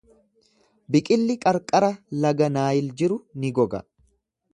Biqilli qarqara laga Naayil jiru ni goga.